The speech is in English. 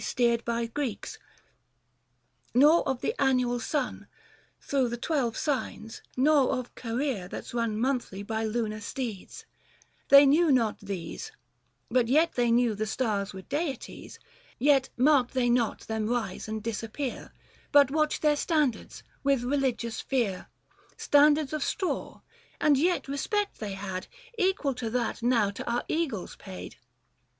71 Steered by by Greeks ; nor of the annual sun 115 Thro' the twelve signs ; nor of career that's run Monthly by lunar steeds ;— they knew not these ; But yet they knew the stars were deities ; Yet marked they not them rise and disappear ; But watched their standards, with religious fear, 120 Standards of straw — and yet respect they had Equal to that now to our eagles paid.